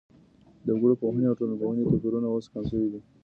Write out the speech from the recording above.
د وګړپوهني او ټولنپوهني توپيرونه اوس کم سوي دي.